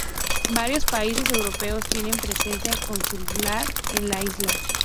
Varios países europeos tienen presencia consular en la isla.